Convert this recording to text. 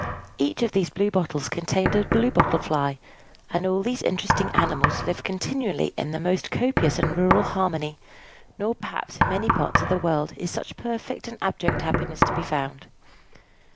Each of these blue bottles contained a Blue Bottle Fly; and all these interesting animals live continually together in the most copious and rural harmony: nor perhaps in many parts of the world is such perfect and abject happiness to be found.